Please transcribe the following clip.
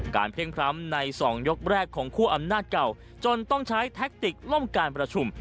เพ่งพร้ำในสองยกแรกของคั่วอำนาจเก่าจนต้องใช้แท็กติกล่มการประชุม